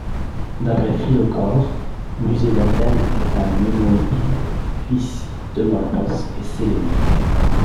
D’après Philochore, Musée d'Athènes est un Eumolpide, fils d'Eumolpos et Séléné.